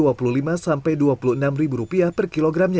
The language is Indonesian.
rp dua puluh lima sampai rp dua puluh enam per kilogramnya